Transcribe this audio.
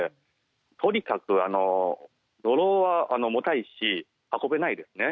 とにかく泥は重たいし運べないですね。